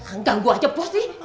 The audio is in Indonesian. enggak gue ajak bos nih